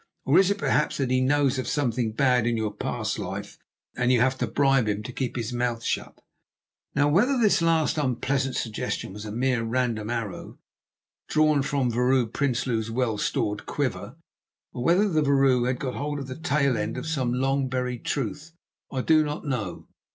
Or is it, perhaps, that he knows of something bad in your past life, and you have to bribe him to keep his mouth shut?" Now, whether this last unpleasant suggestion was a mere random arrow drawn from Vrouw Prinsloo's well stored quiver, or whether the vrouw had got hold of the tail end of some long buried truth, I do not know.